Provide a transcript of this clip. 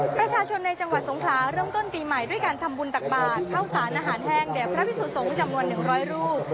ประชาชนในจังหวัดสงขลาเริ่มต้นปีใหม่ด้วยการทำบุญตักบาทเข้าสารอาหารแห้งแด่พระพิสุสงฆ์จำนวน๑๐๐รูป